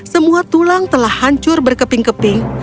semua tulang telah hancur berkeping keping